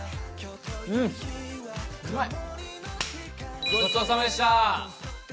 うん、うまい！